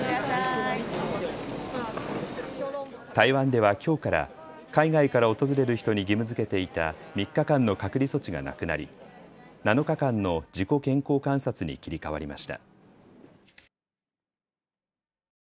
台湾ではきょうから海外から訪れる人に義務づけていた３日間の隔離措置がなくなり７日間の自己健康観察に切り替わりました。